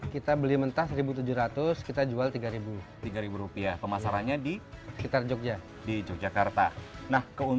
ketua pengusaha bank r attractive